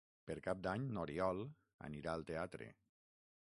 Per Cap d'Any n'Oriol anirà al teatre.